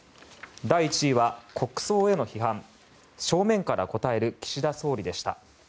第１位は国葬への批判正面から答える岸田総理でした。